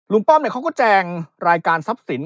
ป้อมเขาก็แจงรายการทรัพย์สิน